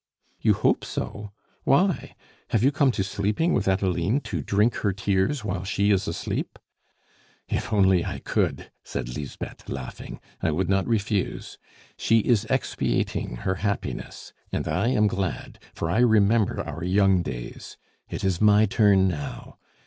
"You hope so why? Have you come to sleeping with Adeline to drink her tears while she is asleep?" "If only I could!" said Lisbeth, laughing. "I would not refuse. She is expiating her happiness and I am glad, for I remember our young days. It is my turn now.